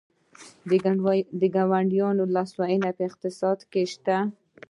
د ګاونډیانو لاسوهنه په اقتصاد کې شته؟